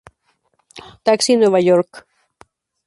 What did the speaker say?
Taxi Nueva York.